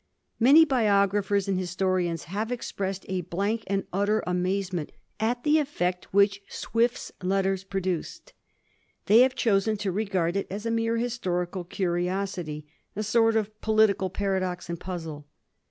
Many biographers and historians have expressed a blank and utter amazement at the effect which Swift's letters produced. They have chosen to regard it as a mere historical curiosity, a sort of pohtical paradox and puzzle.